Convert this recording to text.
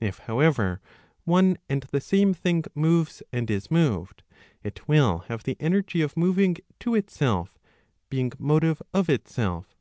If however, one and the same thing moves and is moved, it will have the energy of moving to itself, being motive of itself.